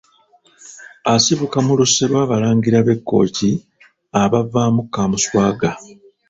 Asibuka mu luse lw’Abalangira b’e Kkooki abavaamu Kaamuswaga.